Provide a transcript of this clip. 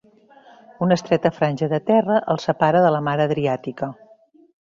Una estreta franja de terra el separa de la mar Adriàtica.